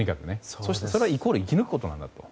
そしてそれは、イコール生き抜くことなんだと。